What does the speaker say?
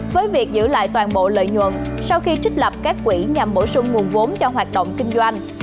với việc giữ lại toàn bộ lợi nhuận sau khi trích lập các quỹ nhằm bổ sung nguồn vốn cho hoạt động kinh doanh